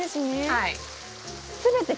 はい。